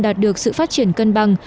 đạt được sự phát triển cân bằng